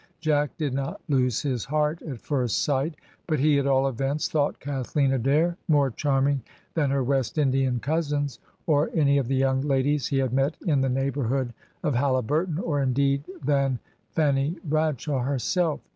Jack did not lose his heart at first sight, but he, at all events, thought Kathleen Adair more charming than her West Indian cousins, or any of the young ladies he had met in the neighbourhood of Halliburton, or, indeed than Fanny Bradshaw herself.